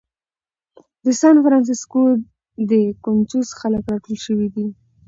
د سان فرانسیسکو دې کونچوز خلک راټول شوي دي.